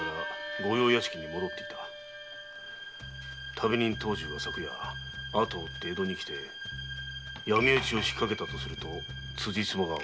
旅人・藤十が昨夜後を追って江戸に来て闇討ちを仕掛けたとすると辻褄が合うな。